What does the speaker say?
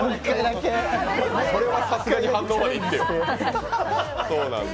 それはさすがに飯能まで行ってよ。